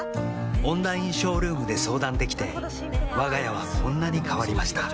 オンラインショールームで相談できてわが家はこんなに変わりました